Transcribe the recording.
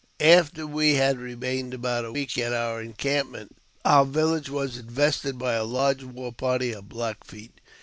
After we had remained about a week at our encampment, our village was infested by a large war party of Black Feet.